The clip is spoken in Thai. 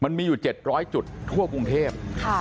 มันมีอยู่๗๐๐จุดทั่วกรุงเทพ